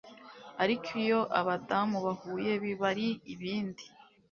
ariko iyo abadamu bahuye biba ari ibindi